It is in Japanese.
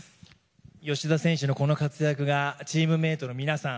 吉田選手のこの活躍がチームメートの皆さん